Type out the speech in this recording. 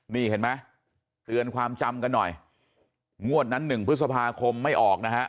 นี่เห็นไหมเตือนความจำกันหน่อยงวดนั้นหนึ่งพฤษภาคมไม่ออกนะฮะ